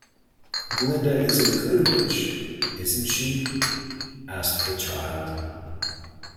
Glinda is a good Witch, isn't she? asked the child.